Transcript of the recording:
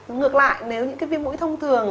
ngược lại nếu những cái viêm mũi thông thường